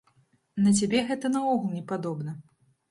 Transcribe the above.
На цябе гэта наогул не падобна.